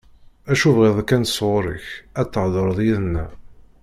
Acu bɣiɣ kan sɣur-k, ad thedreḍ yid-neɣ.